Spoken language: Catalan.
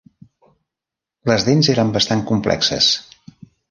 Les dents eren bastants complexes.